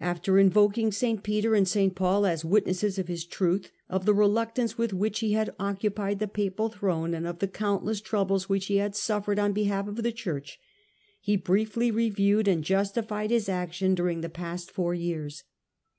After invoking St. Peter and The pope ^^' V^xiX as witnosscs of his truth, of the re bSTwm^* luctance with which he had occupied the Henry papal throue, and of the countless troubles which he had suffered on behalf of the Church, he briefly reviewed and justified his action during the past four years.